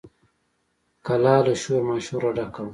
کلا له شور ماشوره ډکه وه.